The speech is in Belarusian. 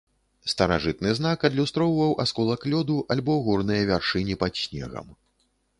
Старажытны знак адлюстроўваў асколак лёду альбо горныя вяршыні пад снегам.